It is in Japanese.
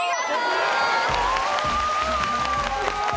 すごーい！